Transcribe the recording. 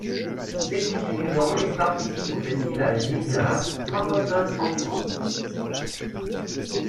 L’été suivant, il participe au festival Visa Francophone en France.